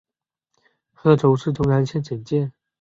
贺州市钟山县简介